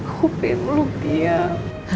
aku pengen meluk dia